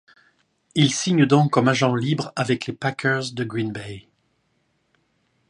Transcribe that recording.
Il signe donc comme agent libre avec les Packers de Green Bay.